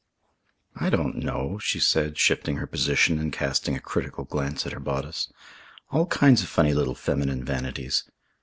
"I don't know," she said, shifting her position and casting a critical glance at her bodice. "All kinds of funny little feminine vanities.